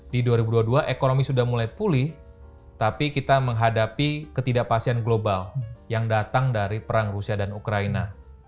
di dua ribu dua puluh dua ekonomi sudah mulai pulih tapi kita menghadapi ketidakpastian global yang datang dari perang rusia dan ukraina